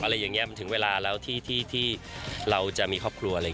อะไรอย่างนี้ถึงเวลาแล้วที่เราจะมีครอบครัวเลย